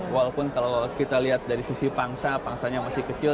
walaupun kalau kita lihat dari sisi pangsa pangsanya masih kecil